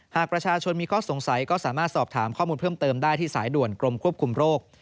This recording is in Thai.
หากประชาชนมีข้อสงสัยก็สามารถสอบถามข้อมูลเพิ่มเติมได้ที่สายด่วนกรมควบคุมโรค